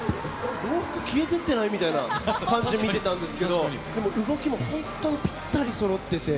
消えてってないみたいな感じで見てたんですけど、でも、動きも本当にぴったりそろってて、